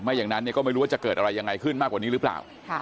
อย่างนั้นก็ไม่รู้ว่าจะเกิดอะไรยังไงขึ้นมากกว่านี้หรือเปล่า